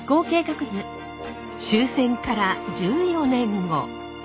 終戦から１４年後。